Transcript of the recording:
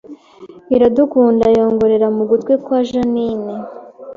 Iradukunda yongorera mu gutwi kwa Jeaninne